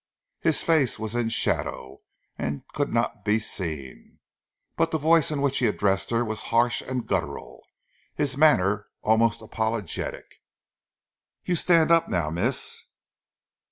His face was in shadow and could not be seen, but the voice in which he addressed her was harsh and guttural, his manner almost apologetic. "You stan' up now, mees."